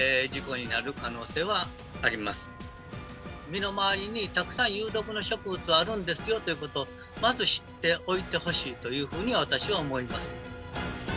身の回りにたくさん有毒の植物はあるんですよという事をまず知っておいてほしいというふうに私は思います。